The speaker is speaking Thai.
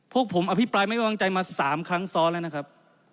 พวกผมอภิปรายไม่วางใจมา๓ครั้งซ้อนแล้วนะครับ